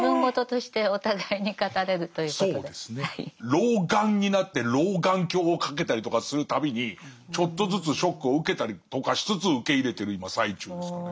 老眼になって老眼鏡をかけたりとかするたびにちょっとずつショックを受けたりとかしつつ受け入れてる今最中ですかね。